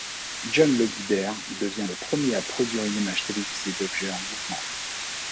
John Logie Baird devient le premier à produire une image télévisée d’objets en mouvements.